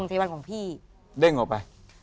เทวันของพี่เด้งออกไป